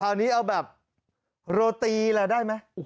นี้เอาแบบโรตีแหละได้ไหม